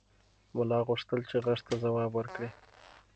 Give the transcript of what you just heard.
ملا غوښتل چې غږ ته ځواب ورکړي.